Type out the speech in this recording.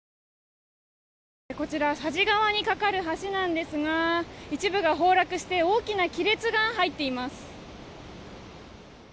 こちら佐治川にかかる橋なんですが一部が崩落して大きな亀裂が入っています。